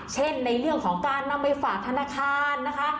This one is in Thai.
เช่นในเรื่องของการนำไปฝากธนาคารนะคะ